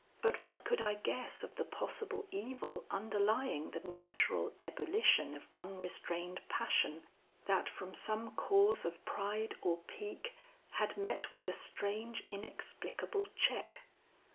But what could I guess of the possible evil underlying the natural ebullition of unrestrained passion that from some cause of pride or pique, had met with a strange inexplicable check.